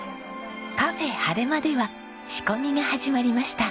カフェはれまでは仕込みが始まりました。